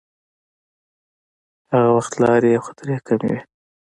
هغه وخت لارې او خطرې حتمې وې.